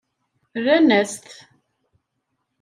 Rran-as-t.